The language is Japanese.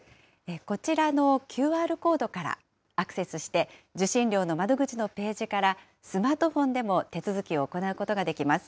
こちらのＱＲコードからアクセスして、受信料の窓口のページからスマートフォンでも手続きを行うことができます。